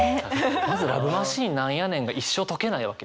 まず「ＬＯＶＥマシーン」何やねんが一生解けないわけですよね。